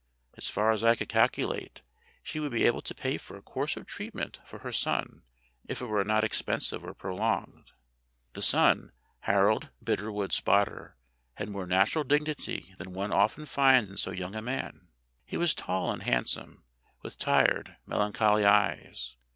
As far as I could calculate, she would be able to pay for a course of treatment for her son if it were not expensive or prolonged. The son, Harold Bitterwood Spotter, had more natural dignity than one often finds in so young a man. He was tall and handsome, with tired melancholy eyes.